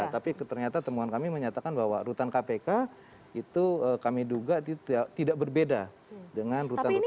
tapi ternyata temuan kami menyatakan bahwa rutan kpk itu kami duga tidak berbeda dengan rutan rutan